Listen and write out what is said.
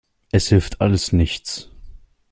Es hilft alles nichts.